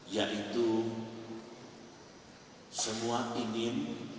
yaitu semua ingin